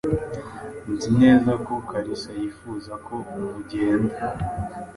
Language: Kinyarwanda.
Nzi neza ko Kalisa yifuza ko mugenda.